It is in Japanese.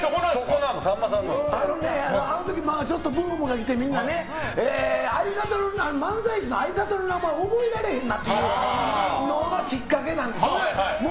あの時ちょっとブームが来て漫才師の相方の名前を覚えられへんなっていうのがきっかけなんです。